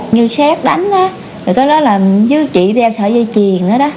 như xét đánh đó rồi tới đó là chứ chị đem sợi dây triền đó